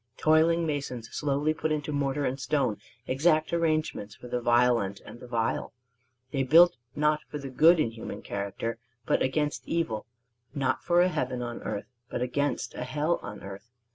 Toiling masons slowly put into mortar and stone exact arrangements for the violent and the vile: they built not for the good in human character, but against evil not for a heaven on earth, but against a hell on earth.